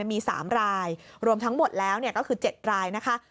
มี๓รายรวมทั้งหมดแล้วก็คือ๗รายนะคะ